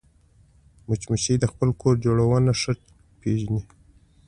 مچمچۍ د خپل کور جوړونه ښه پېژني